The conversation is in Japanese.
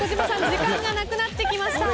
時間がなくなってきました。